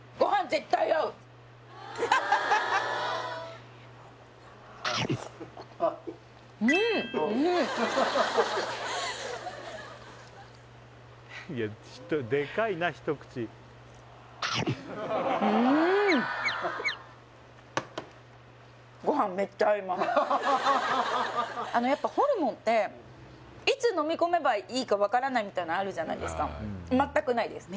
絶対合うあのやっぱホルモンっていつ飲み込めばいいか分からないみたいのあるじゃないですかまったくないです